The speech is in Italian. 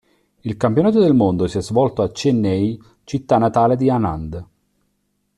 Il campionato del mondo si è svolto a Chennai, città natale di Anand.